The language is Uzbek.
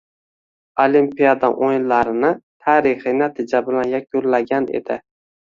Olimpiada o‘yinlarini tarixiy natija bilan yakunlagan edi.